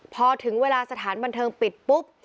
พอถึงเวลาสถานบันเทิงปิดปุ๊บ